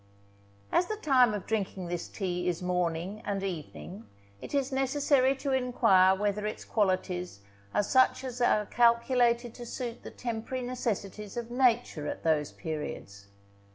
As the time of drinking this tea is morning and evening, it is necessary to enquire whether its qualities are such as are calculated to suit the temporary necessities of nature at those periods.